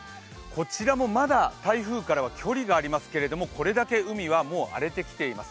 こちらもまだ台風からは距離がありますけれどもこれだけ海はもう荒れてきています。